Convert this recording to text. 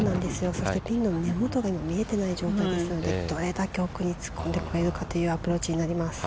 そしてピンの根元が今見えてない状態ですのでどれだけ奥に突っ込んでくれるかというアプローチになります。